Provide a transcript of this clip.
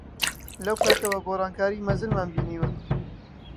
لەو کاتەوە گۆڕانکاریی مەزنمان بینیوە.